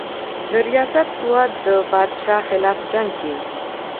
درياست سوات د بادشاه خلاف جنګ کښې